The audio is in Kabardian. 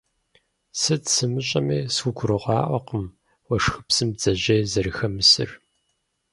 Сыт сымыщӀэми схугурыгъэӀуакъым уэшхыпсым бдзэжьей зэрыхэмысыр.